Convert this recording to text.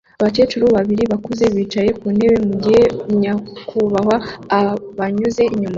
Abakecuru babiri bakuze bicaye ku ntebe mugihe nyakubahwa abanyuze inyuma